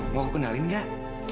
mau aku kenalin nggak